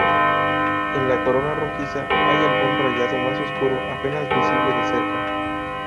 En la corona rojiza hay algún rayado más oscuro apenas visible de cerca.